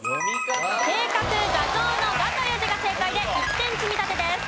計画画像の「画」という字が正解で１点積み立てです。